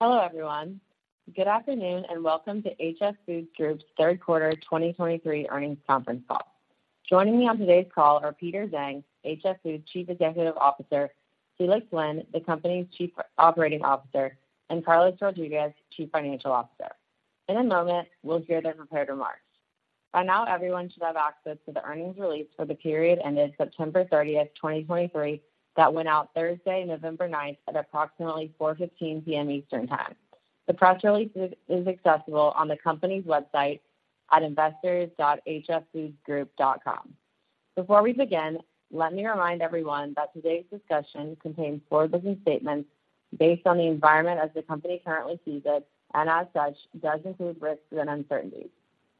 Hello, everyone. Good afternoon, and welcome to HF Foods Group's third quarter 2023 earnings conference call. Joining me on today's call are Peter Zhang, HF Foods Chief Executive Officer, Felix Lin, the company's Chief Operating Officer, and Carlos Rodriguez, Chief Financial Officer. In a moment, we'll hear their prepared remarks. By now, everyone should have access to the earnings release for the period ended September 30, 2023, that went out Thursday, November 9, at approximately 4:15 P.M. Eastern Time. The press release is accessible on the company's website at investors.hffoodsgroup.com. Before we begin, let me remind everyone that today's discussion contains forward-looking statements based on the environment as the company currently sees it, and as such, does include risks and uncertainties.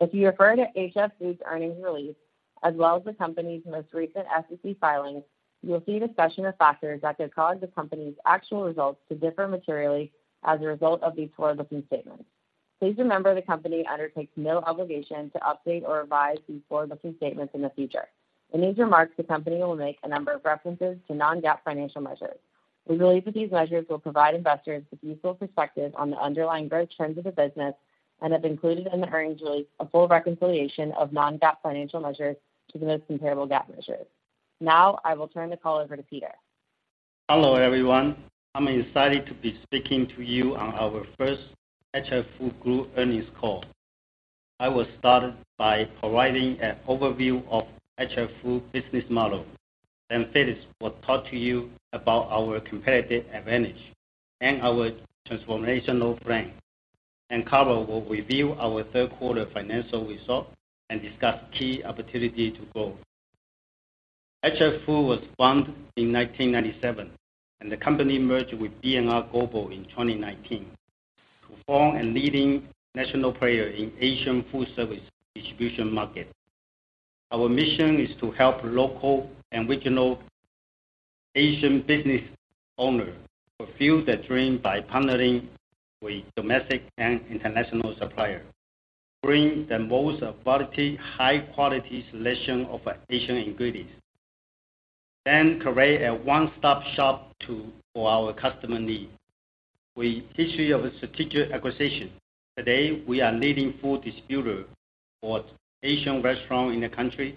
If you refer to HF Foods earnings release, as well as the company's most recent SEC filings, you will see discussion of factors that could cause the company's actual results to differ materially as a result of these forward-looking statements. Please remember, the company undertakes no obligation to update or revise these forward-looking statements in the future. In these remarks, the company will make a number of references to non-GAAP financial measures. We believe that these measures will provide investors with useful perspective on the underlying growth trends of the business and have included in the earnings release a full reconciliation of non-GAAP financial measures to the most comparable GAAP measures. Now, I will turn the call over to Peter. Hello, everyone. I'm excited to be speaking to you on our first HF Foods Group earnings call. I will start by providing an overview of HF Foods business model, then Felix will talk to you about our competitive advantage and our transformational plan, and Carlos will review our third quarter financial results and discuss key opportunity to grow. HF Foods was founded in 1997, and the company merged with B&R Global in 2019 to form a leading national player in Asian food service distribution market. Our mission is to help local and regional Asian business owners fulfill their dream by partnering with domestic and international suppliers, bring the most high-quality selection of Asian ingredients, and create a one-stop-shop for our customer needs. With history of strategic acquisition, today we are a leading food distributor for Asian restaurant in the country,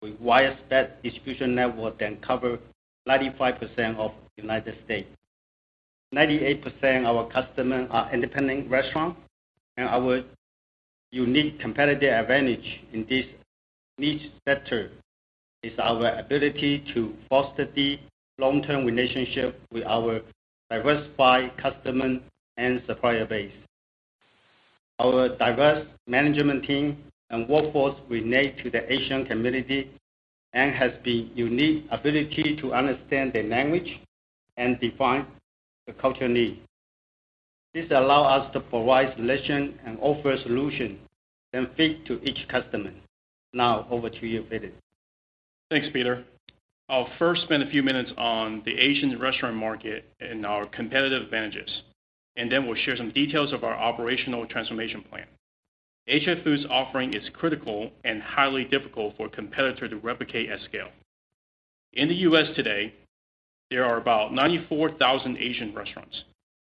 with widespread distribution network that cover 95% of United States. 98% of our customers are independent restaurants, and our unique competitive advantage in this niche sector is our ability to foster deep, long-term relationships with our diversified customers and supplier base. Our diverse management team and workforce relate to the Asian community and has the unique ability to understand their language and define the cultural needs. This allow us to provide solutions and offer solutions that fit to each customer. Now, over to you, Felix. Thanks, Peter. I'll first spend a few minutes on the Asian restaurant market and our competitive advantages, and then we'll share some details of our operational transformation plan. HF Foods offering is critical and highly difficult for a competitor to replicate at scale. In the U.S. today, there are about 94,000 Asian restaurants.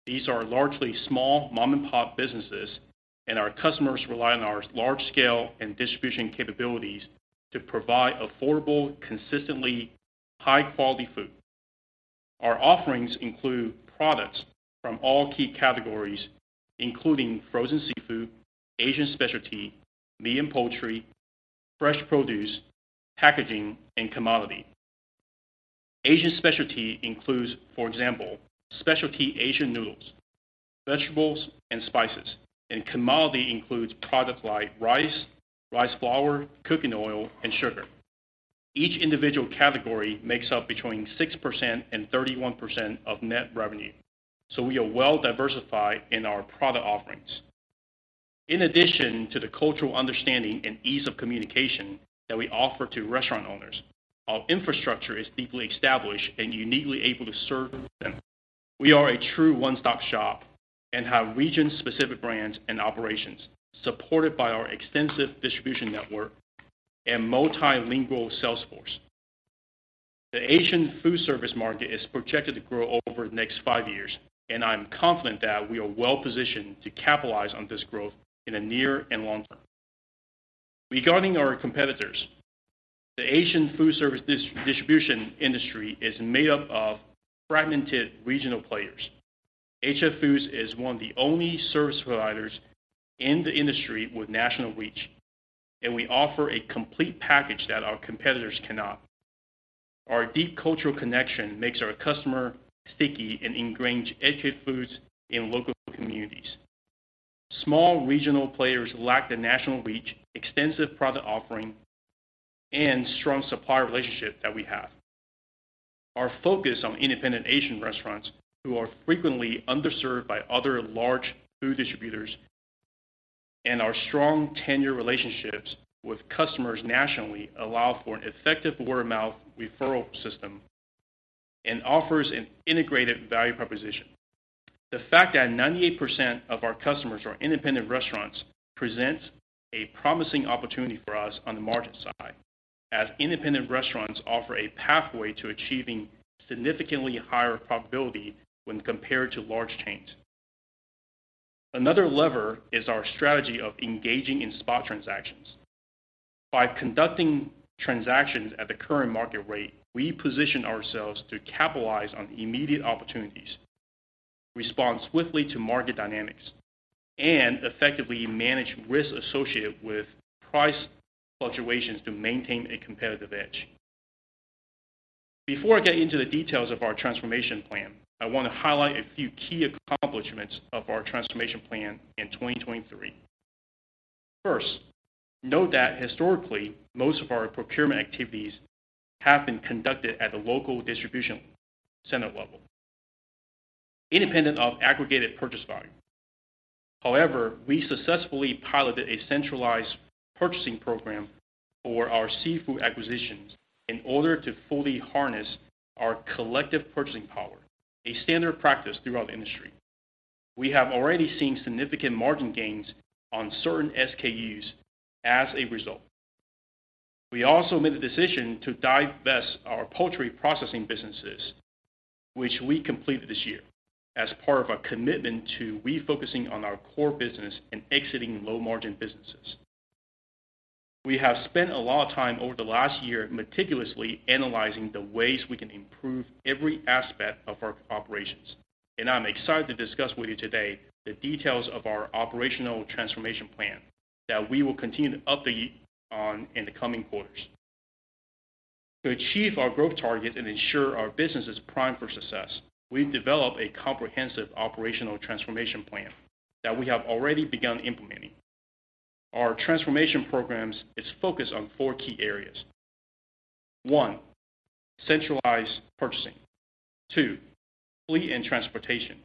These are largely small mom-and-pop businesses, and our customers rely on our large scale and distribution capabilities to provide affordable, consistently high-quality food. Our offerings include products from all key categories, including frozen seafood, Asian specialty, meat and poultry, fresh produce, packaging, and commodity. Asian specialty includes, for example, specialty Asian noodles, vegetables, and spices, and commodity includes products like rice, rice flour, cooking oil, and sugar. Each individual category makes up between 6% and 31% of net revenue, so we are well-diversified in our product offerings. In addition to the cultural understanding and ease of communication that we offer to restaurant owners, our infrastructure is deeply established and uniquely able to serve them. We are a true one-stop shop and have region-specific brands and operations, supported by our extensive distribution network and multilingual sales force. The Asian food service market is projected to grow over the next five years, and I'm confident that we are well-positioned to capitalize on this growth in the near and long term. Regarding our competitors, the Asian food service distribution industry is made up of fragmented regional players. HF Foods is one of the only service providers in the industry with national reach, and we offer a complete package that our competitors cannot. Our deep cultural connection makes our customer sticky and ingrains HF Foods in local communities. Small regional players lack the national reach, extensive product offering, and strong supplier relationship that we have. Our focus on independent Asian restaurants, who are frequently underserved by other large food distributors, and our strong tenure relationships with customers nationally, allow for an effective word-of-mouth referral system and offers an integrated value proposition. The fact that 98% of our customers are independent restaurants presents a promising opportunity for us on the margin side. As independent restaurants offer a pathway to achieving significantly higher profitability when compared to large chains. Another lever is our strategy of engaging in spot transactions. By conducting transactions at the current market rate, we position ourselves to capitalize on immediate opportunities, respond swiftly to market dynamics, and effectively manage risks associated with price fluctuations to maintain a competitive edge. Before I get into the details of our transformation plan, I want to highlight a few key accomplishments of our transformation plan in 2023. First, note that historically, most of our procurement activities have been conducted at the local distribution center level, independent of aggregated purchase value. However, we successfully piloted a centralized purchasing program for our seafood acquisitions in order to fully harness our collective purchasing power, a standard practice throughout the industry. We have already seen significant margin gains on certain SKUs as a result. We also made the decision to divest our poultry processing businesses, which we completed this year, as part of our commitment to refocusing on our core business and exiting low-margin businesses. We have spent a lot of time over the last year meticulously analyzing the ways we can improve every aspect of our operations, and I'm excited to discuss with you today the details of our operational transformation plan that we will continue to update on in the coming quarters. To achieve our growth target and ensure our business is primed for success, we've developed a comprehensive operational transformation plan that we have already begun implementing. Our transformation programs is focused on four key areas: one, centralized purchasing. Two, fleet and transportation.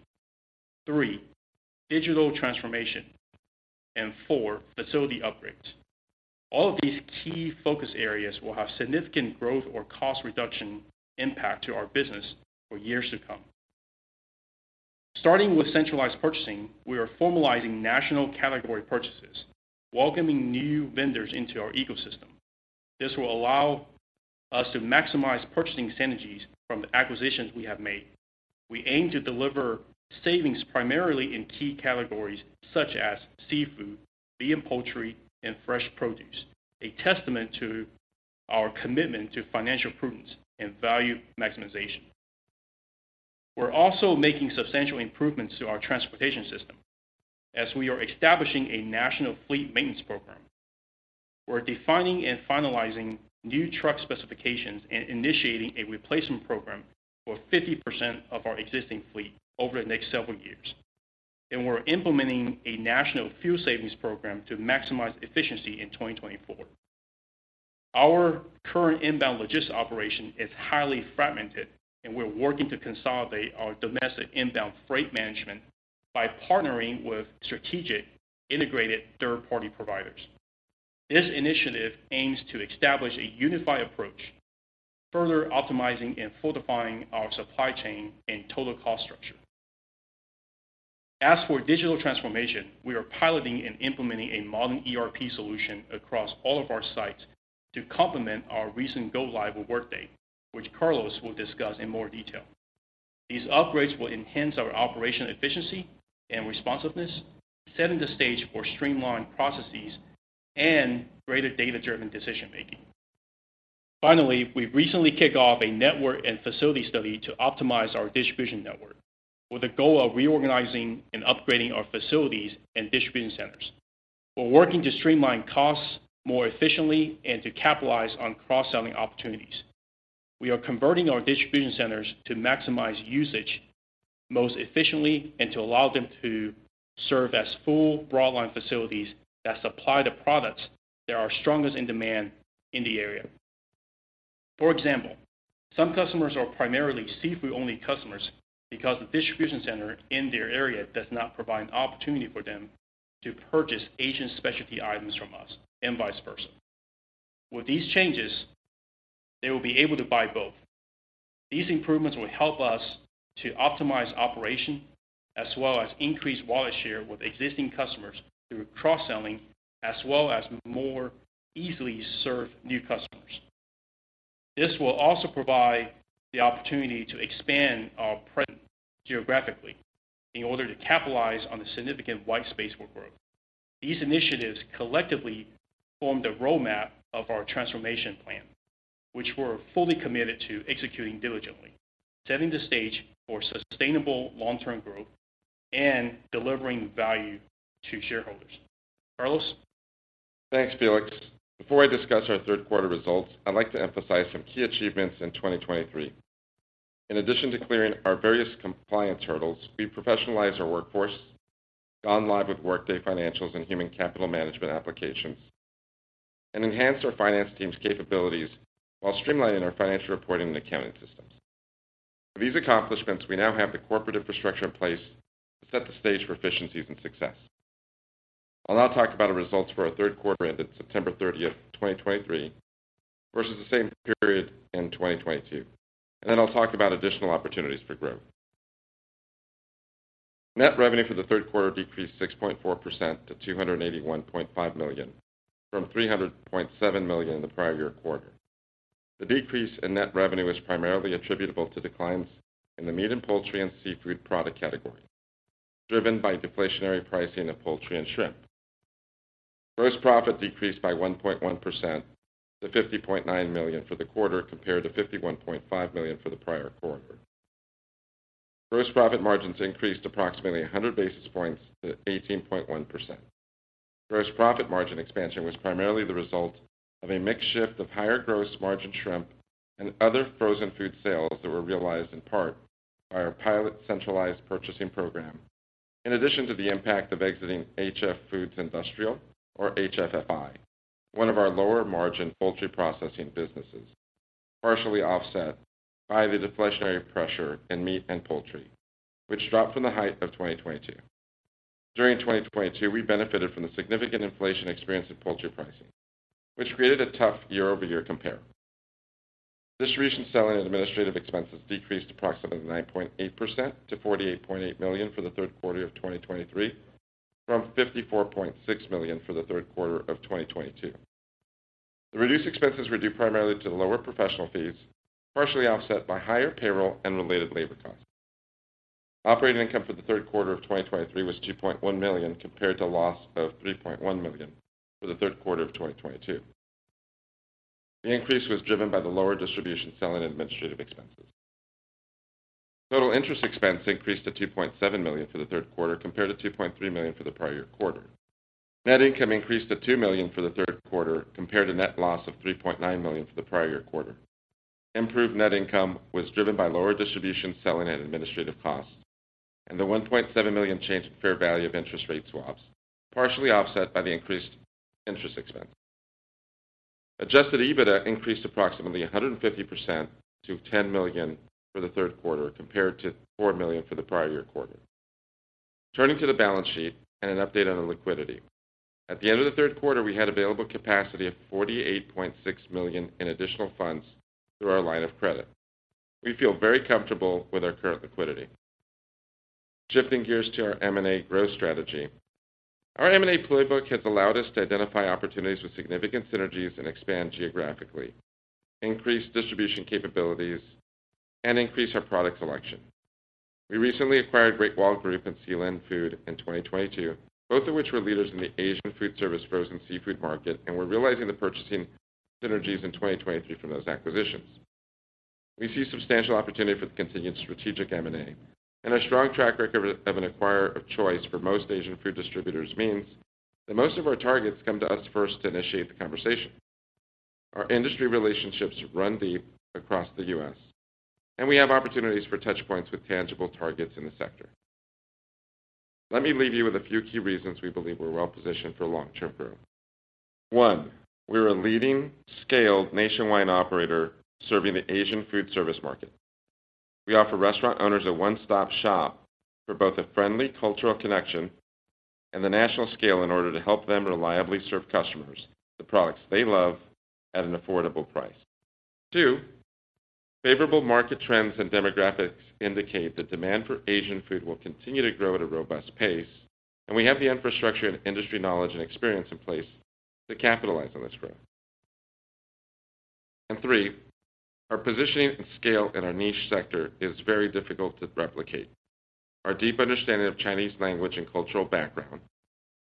Three, digital transformation, and four, facility upgrades. All of these key focus areas will have significant growth or cost reduction impact to our business for years to come. Starting with centralized purchasing, we are formalizing national category purchases, welcoming new vendors into our ecosystem. This will allow us to maximize purchasing synergies from the acquisitions we have made. We aim to deliver savings primarily in key categories such as seafood, beef and poultry, and fresh produce, a testament to our commitment to financial prudence and value maximization. We're also making substantial improvements to our transportation system as we are establishing a national fleet maintenance program. We're defining and finalizing new truck specifications and initiating a replacement program for 50% of our existing fleet over the next several years. We're implementing a national fuel savings program to maximize efficiency in 2024. Our current inbound logistics operation is highly fragmented, and we're working to consolidate our domestic inbound freight management by partnering with strategic integrated third-party providers. This initiative aims to establish a unified approach, further optimizing and fortifying our supply chain and total cost structure. As for digital transformation, we are piloting and implementing a modern ERP solution across all of our sites to complement our recent go-live with Workday, which Carlos will discuss in more detail. These upgrades will enhance our operational efficiency and responsiveness, setting the stage for streamlined processes and greater data-driven decision-making. Finally, we've recently kicked off a network and facility study to optimize our distribution network with a goal of reorganizing and upgrading our facilities and distribution centers. We're working to streamline costs more efficiently and to capitalize on cross-selling opportunities. We are converting our distribution centers to maximize usage most efficiently and to allow them to serve as full broadline facilities that supply the products that are strongest in demand in the area. For example, some customers are primarily seafood-only customers because the distribution center in their area does not provide an opportunity for them to purchase Asian specialty items from us and vice versa. With these changes, they will be able to buy both. These improvements will help us to optimize operation, as well as increase wallet share with existing customers through cross-selling, as well as more easily serve new customers. This will also provide the opportunity to expand our presence geographically in order to capitalize on the significant white space for growth. These initiatives collectively form the roadmap of our transformation plan, which we're fully committed to executing diligently, setting the stage for sustainable long-term growth and delivering value to shareholders. Carlos? Thanks, Felix. Before I discuss our third quarter results, I'd like to emphasize some key achievements in 2023. In addition to clearing our various compliance hurdles, we professionalized our workforce, gone live with Workday Financials and Human Capital Management applications, and enhanced our finance team's capabilities while streamlining our financial reporting and accounting systems. With these accomplishments, we now have the corporate infrastructure in place to set the stage for efficiencies and success. I'll now talk about our results for our third quarter ended September 30, 2023, versus the same period in 2022, and then I'll talk about additional opportunities for growth. Net revenue for the third quarter decreased 6.4% to $281.5 million, from $300.7 million in the prior year quarter. The decrease in net revenue is primarily attributable to declines in the meat and poultry and seafood product category, driven by deflationary pricing in poultry and shrimp. Gross profit decreased by 1.1% to $50.9 million for the quarter, compared to $51.5 million for the prior quarter. Gross profit margins increased approximately 100 basis points to 18.1%. Gross profit margin expansion was primarily the result of a mix shift of higher gross margin shrimp and other frozen food sales that were realized in part by our pilot centralized purchasing program, in addition to the impact of exiting HF Foods Industrial or HFFI, one of our lower margin poultry processing businesses, partially offset by the deflationary pressure in meat and poultry, which dropped from the height of 2022. During 2022, we benefited from the significant inflation experienced in poultry pricing, which created a tough year-over-year compare. Distribution, selling, and administrative expenses decreased approximately 9.8% to $48.8 million for the third quarter of 2023, from $54.6 million for the third quarter of 2022. The reduced expenses were due primarily to the lower professional fees, partially offset by higher payroll and related labor costs. Operating income for the third quarter of 2023 was $2.1 million, compared to a loss of $3.1 million for the third quarter of 2022. The increase was driven by the lower distribution, selling, and administrative expenses. Total interest expense increased to $2.7 million for the third quarter, compared to $2.3 million for the prior quarter. Net income increased to $2 million for the third quarter, compared to net loss of $3.9 million for the prior quarter. Improved net income was driven by lower distribution, selling, and administrative costs, and the $1.7 million change to fair value of interest rate swaps, partially offset by the increased interest expense. Adjusted EBITDA increased approximately 150% to $10 million for the third quarter, compared to $4 million for the prior year quarter. Turning to the balance sheet and an update on the liquidity. At the end of the third quarter, we had available capacity of $48.6 million in additional funds through our line of credit. We feel very comfortable with our current liquidity. Shifting gears to our M&A growth strategy. Our M&A playbook has allowed us to identify opportunities with significant synergies and expand geographically, increase distribution capabilities, and increase our product selection. We recently acquired Great Wall Group and Sealand Food in 2022, both of which were leaders in the Asian food service frozen seafood market, and we're realizing the purchasing synergies in 2023 from those acquisitions. We see substantial opportunity for the continued strategic M&A, and a strong track record of an acquirer of choice for most Asian food distributors means that most of our targets come to us first to initiate the conversation. Our industry relationships run deep across the U.S., and we have opportunities for touch points with tangible targets in the sector. Let me leave you with a few key reasons we believe we're well positioned for long-term growth. One, we're a leading scaled nationwide operator serving the Asian food service market. We offer restaurant owners a one-stop shop for both a friendly cultural connection and the national scale in order to help them reliably serve customers the products they love at an affordable price. Two, favorable market trends and demographics indicate that demand for Asian food will continue to grow at a robust pace, and we have the infrastructure and industry knowledge and experience in place to capitalize on this growth. And three, our positioning and scale in our niche sector is very difficult to replicate. Our deep understanding of Chinese language and cultural background,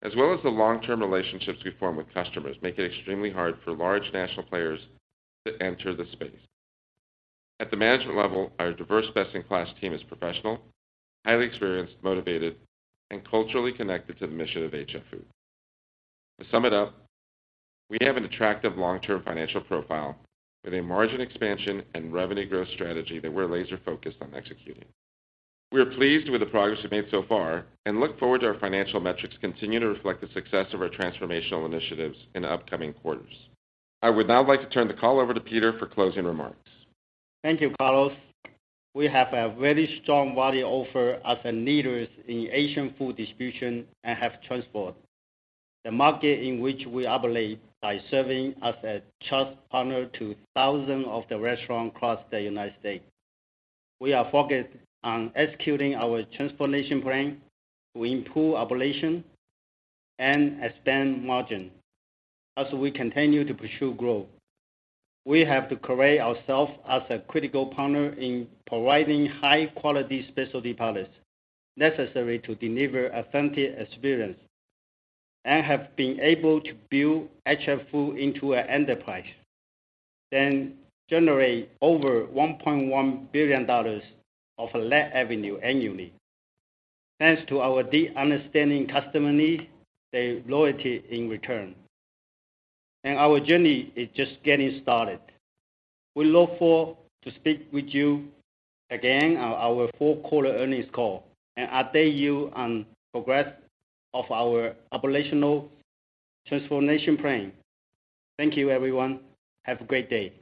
as well as the long-term relationships we form with customers, make it extremely hard for large national players to enter the space. At the management level, our diverse best-in-class team is professional, highly experienced, motivated, and culturally connected to the mission of HF Foods. To sum it up, we have an attractive long-term financial profile with a margin expansion and revenue growth strategy that we're laser-focused on executing. We are pleased with the progress we've made so far and look forward to our financial metrics continuing to reflect the success of our transformational initiatives in the upcoming quarters. I would now like to turn the call over to Peter for closing remarks. Thank you, Carlos. We have a very strong value offer as the leaders in Asian food distribution and have transformed the market in which we operate by serving as a trusted partner to thousands of restaurants across the United States. We are focused on executing our transformation plan to improve operations and expand margins. As we continue to pursue growth, we have to create ourselves as a critical partner in providing high-quality specialty products necessary to deliver authentic experience, and have been able to build HF Foods into an enterprise, then generate over $1.1 billion of net revenue annually. Thanks to our deep understanding customer needs, their loyalty in return, and our journey is just getting started. We look forward to speak with you again on our fourth quarter earnings call and update you on progress of our operational transformation plan. Thank you, everyone. Have a great day.